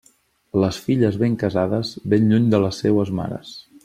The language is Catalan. Les filles ben casades, ben lluny de les seues mares.